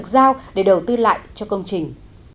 học giao để đầu tư lại cho công trình